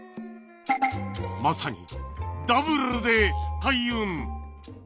まさにダブルで開運！